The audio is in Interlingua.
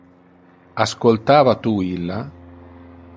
Ascoltava tu illa?